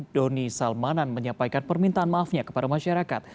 doni salmanan menyampaikan permintaan maafnya kepada masyarakat